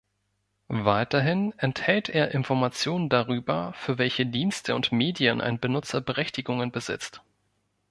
Weiterhin enthält er Informationen darüber, für welche Dienste und Medien ein Benutzer Berechtigungen besitzt.